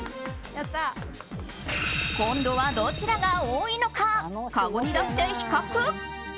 今度はどちらが多いのかかごに出して比較。